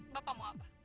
bapak mau apa